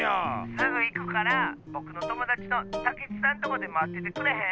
すぐいくからぼくのともだちのたけちさんとこでまっててくれへん？